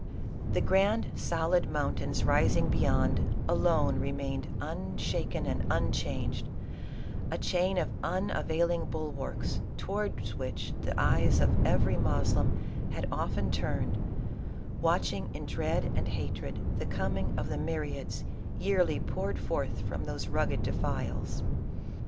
The grand solid mountains rising beyond, alone re mained unshaken and unchanged, a chain of unavail ing bulwarks towards which the eyes of every Moslem ha«l often turned, watching in dread and hatred the coining of the myriads yearly poured forth from those rugged defiles.